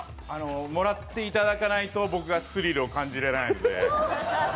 もらっていただけないと、僕がスリルを感じられないので。